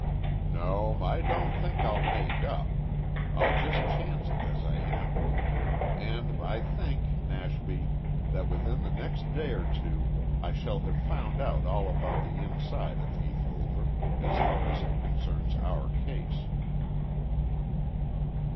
"No. I don't think I'll make up. I'll just chance it as I am. And I think, Nashby, that within the next day or two I shall have found out all about the inside of Heath Hover as far as it concerns our case."